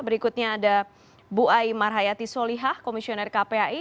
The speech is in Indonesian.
berikutnya ada buai marhayati solihah komisioner kpai